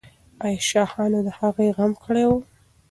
آیا شاهانو د هغې غم کړی و؟